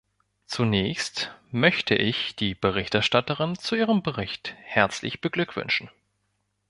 Zunächst möchte ich die Berichterstatterin zu ihrem Bericht herzlich beglückwünschen.